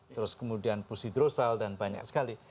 terus kemudian pusidrosal dan banyak sekali